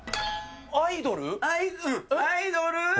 アイドル？